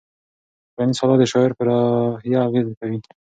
ټولنیز حالات د شاعر په روحیه اغېز کوي.